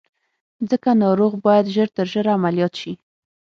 ځکه ناروغ بايد ژر تر ژره عمليات شي.